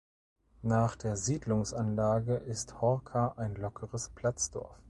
Nach der Siedlungsanlage ist Horka ein lockeres Platzdorf.